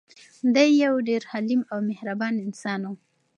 دی یو ډېر حلیم او مهربان انسان و.